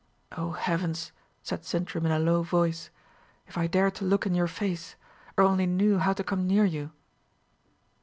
"O Heavens!" said Sintram in a low voice, "if I dared to look in your face! or only knew how to come near you!"